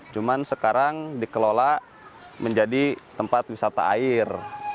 cuman sekarang dikelola menjadi tempat wisata air